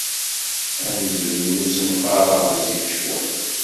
Amezruy n usenfar-a ɣezzif cwiṭ